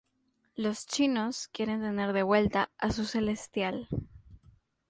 Los chinos quieren tener de vuelta a su Celestial.